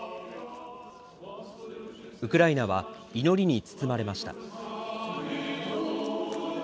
ウクライナは祈りに包まれました。